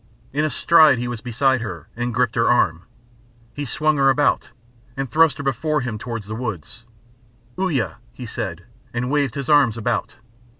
In a stride he was beside her, and gripped her arm. He swung her about, and thrust her before him towards the woods. "Uya," he said, and waved his arms about.